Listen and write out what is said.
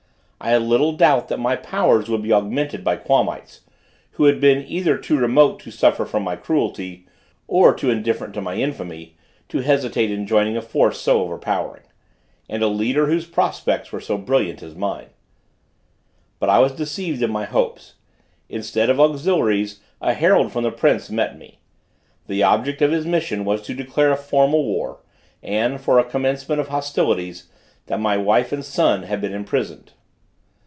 I had little doubt that my powers would be augmented by Quamites, who had been either too remote to suffer from my cruelty, or too indifferent to my infamy, to hesitate in joining a force so overpowering, and a leader whose prospects were so brilliant as mine. But I was deceived in my hopes: instead of auxiliaries a herald from the prince met me. The object of his mission was to declare a formal war, and, for a commencement of hostilities, that my wife and son had been imprisoned.